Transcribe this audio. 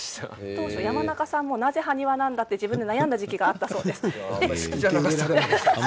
当初、山中さんもなぜ埴輪なんだと悩んだ時期があったそうです。